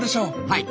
はい。